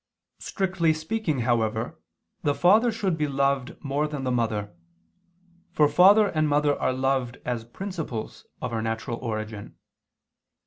Strictly speaking, however, the father should be loved more than the mother. For father and mother are loved as principles of our natural origin.